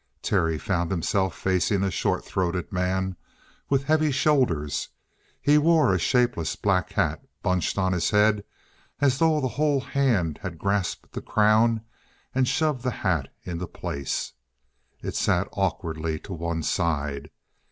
Terry found himself facing a short throated man with heavy shoulders; he wore a shapeless black hat bunched on his head as though the whole hand had grasped the crown and shoved the hat into place. It sat awkwardly to one side.